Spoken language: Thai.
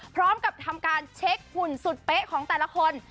พร้อมกับทำการเช็คหุ่นสุดเป๊ะของแต่ละคน